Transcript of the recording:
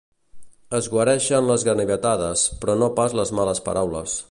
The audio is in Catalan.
Es guareixen les ganivetades, però no pas les males paraules.